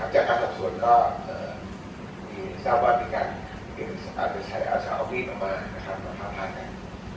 จากนั้นต่อส่วนก็มีเจ้าบ้านพิกันอาจจะใช้อาชาราบีนออกมานะครับมาหาภารกิจนะครับ